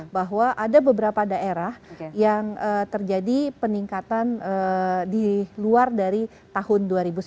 bahwa ada beberapa daerah yang terjadi peningkatan di luar dari tahun dua ribu sembilan belas